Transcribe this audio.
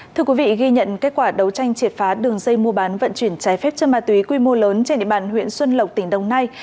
thưa quý vị ghi nhận kết quả đấu tranh triệt phá đường dây mua bán vận chuyển trái phép chân ma túy quy mô lớn trên địa bàn huyện xuân lộc tỉnh đồng nai